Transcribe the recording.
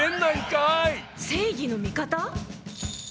正義の味方？